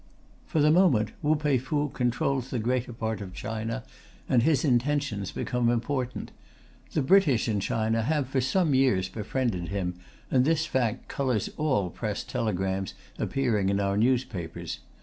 For the moment, Wu Pei Fu controls the greater part of China, and his intentions become important. The British in China have, for some years, befriended him, and this fact colours all Press telegrams appearing in our newspapers.